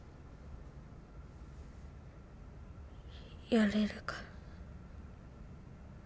やれるから。